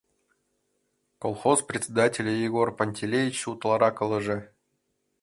Колхоз председатель Егор Пантелеич утларак ылыже.